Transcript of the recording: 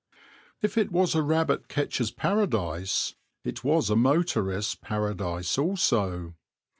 If it was a rabbit catcher's paradise it was a motorist's paradise also.